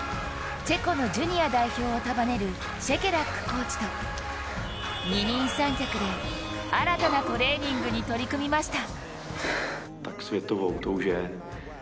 チェコのジュニア代表を束ねるシェケラックコーチと二人三脚で新たトレーニングに取り組みました。